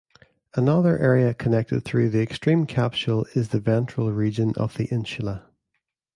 Another area connected through the extreme capsule is the ventral region of the insula.